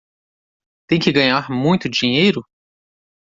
Tem que ganhar muito dinheiro?